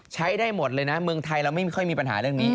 ใช้ได้หมดเลยนะเมืองไทยเราไม่ค่อยมีปัญหาเรื่องนี้